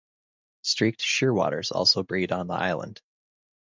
Streaked shearwaters also breed on the island.